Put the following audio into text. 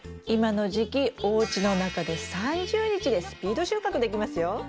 今の時期おうちの中で３０日でスピード収穫できますよ。